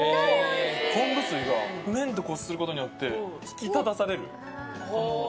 昆布水が麺とすることによって、引き立たされる。